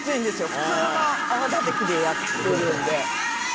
「普通の泡立て器でやってるんで」